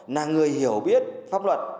là người hiểu biết pháp luật